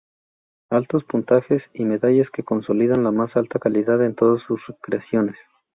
Altos puntajes y medallas que consolidan las más alta calidad en todas sus creaciones.